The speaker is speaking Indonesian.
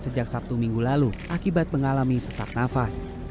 sejak sabtu minggu lalu akibat mengalami sesak nafas